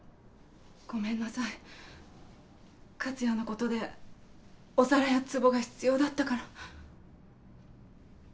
ごめんなさい克哉のことでお皿やつぼが必要だったから。